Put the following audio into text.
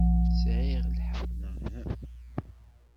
Sɛiɣ lḥeqq, neɣ uhu?